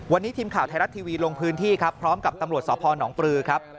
วันนี้ทีมข่าวไทยรัฐทีวีลงพื้นที่ครับพร้อมกับตำรวจสพนปลือครับ